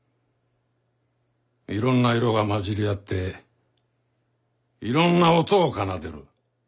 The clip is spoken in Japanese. いろんな色が混じり合っていろんな音を奏でる。